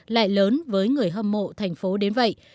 lại lớn với người hâm mộ thành phố đến vậy